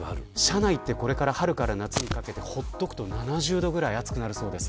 これから春から夏にかけて車内は放っておくと７０度ぐらいになるそうです。